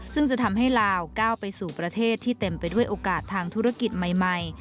ซึ่งจะทำให้ลาวก้าวไปสู่ประเทศที่เต็มไปด้วยโอกาสทางธุรกิจใหม่